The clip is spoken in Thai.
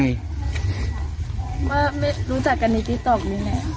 ลีก่อนนี้แม้ที่ตอบเนี่ย